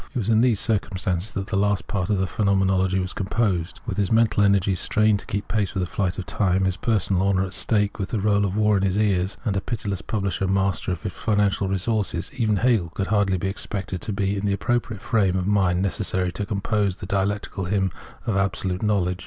It was in these circumstances that the last part of the Phenomenology was composed. With his mental energies strained to keep pace with the flight of time, his personal honour at stake, with the roll of war in his ears, and a pitiless publisher master of his financial resources — even Hegel could hardly be expected to be in the appropriate frame of mind necessary to compose the dialectic hymn of Absolute Knowledge.